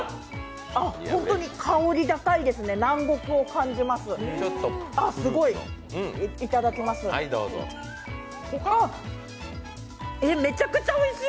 本当に香り高いですね、南国を感じます、すごい。